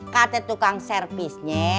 kata tukang servisnya